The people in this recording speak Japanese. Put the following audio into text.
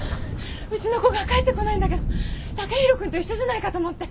ウチの子が帰ってこないんだけど剛洋君と一緒じゃないかと思って。